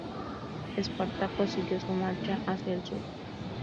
Espartaco siguió su marcha hacia el sur.